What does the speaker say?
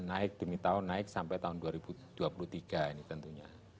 naik demi tahun naik sampai tahun dua ribu dua puluh tiga ini tentunya